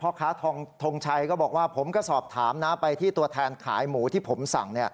ค้าทงชัยก็บอกว่าผมก็สอบถามนะไปที่ตัวแทนขายหมูที่ผมสั่ง